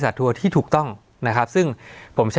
สวัสดีครับทุกผู้ชม